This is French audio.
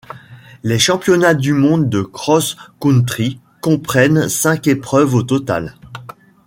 Les Championnats du monde de cross-country comprennent cinq épreuves au total.